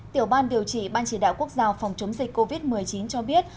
tiểu ban điều trị ban chỉ đạo quốc gia phòng chống dịch covid một mươi chín cho biết